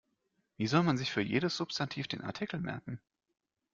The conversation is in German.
Wie soll man sich für jedes Substantiv den Artikel merken?